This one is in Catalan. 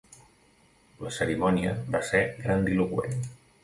La cerimònia va ser grandiloqüent.